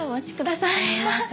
すいません